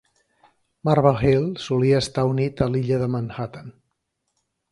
Marble Hill solia estar unit a l'illa de Manhattan.